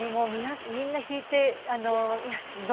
みんな引いて。